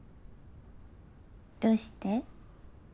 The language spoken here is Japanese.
どうして？